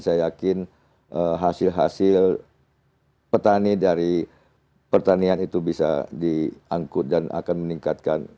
saya yakin hasil hasil petani dari pertanian itu bisa diangkut dan akan meningkatkan